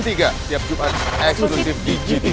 tiap jumat eksklusif di gtv